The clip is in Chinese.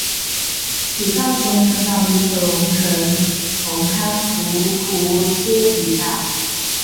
许绍雄成长于九龙城红磡芜湖街一带。